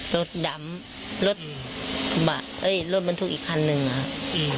รถดำรถกระบะเอ้ยรถบรรทุกอีกคันหนึ่งอ่ะอืม